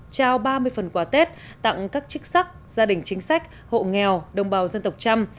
trao ba mươi phần quà tết tặng các chức sắc gia đình chính sách hộ nghèo đồng bào dân tộc trăm